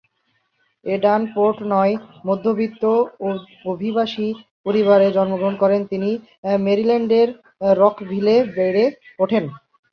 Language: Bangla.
এডান পোর্টনয় মধ্যবিত্ত অভিবাসী পরিবারে জন্মগ্রহণ করেন। তিনি মেরিল্যান্ডের রকভিলে বেড়ে ওঠেন।